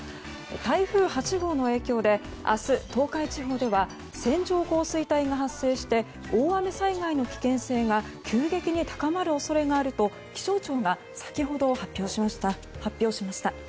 台風８号の影響で明日、東海地方では線状降水帯が発生して大雨災害の危険性が急激に高まる恐れがあると気象庁が先ほど、発表しました。